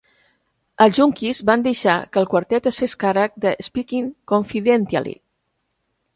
Els Junkies van deixar que el quartet es fes càrrec de "Speaking Confidentially".